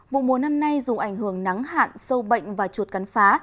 vụ mùa năm nay dù ảnh hưởng nắng hạn sâu bệnh và chuột cắn phá